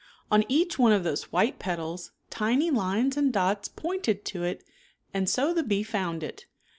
On each one of those white petals, tiny lines and dots pointed to it and so the bee found it.